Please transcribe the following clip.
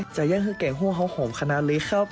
จะย่างคือแกงโหหอมค่ะนั้นเลยครับ